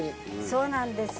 そうなんです。